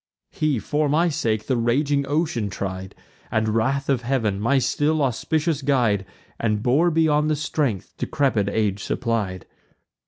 He, for my sake, the raging ocean tried, And wrath of Heav'n, my still auspicious guide, And bore beyond the strength decrepid age supplied.